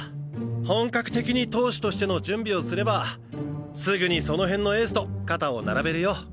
本格的に投手としての準備をすればすぐにその辺のエースと肩を並べるよ。